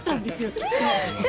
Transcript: きっと。